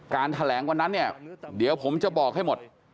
แถลงวันนั้นเนี่ยเดี๋ยวผมจะบอกให้หมด